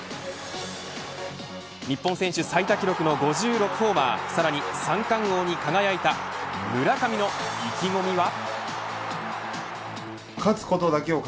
日本選手最多記録の５６ホーマーさらに三冠王に輝いた村上の意気込みは。